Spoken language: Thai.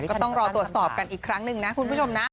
ก็ต้องรอตรวจสอบกันอีกครั้งหนึ่งนะคุณผู้ชมนะ